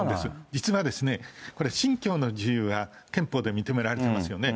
実はですね、これ、信教の自由が憲法で認められてますよね。